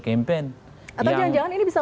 campaign atau jangan jangan ini bisa